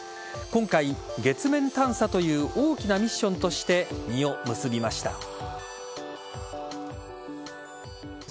今回、月面探査という大きなミッションとして実を結びました。